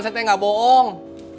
saya teh gak bohong